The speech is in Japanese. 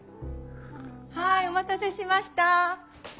はいお待たせしました。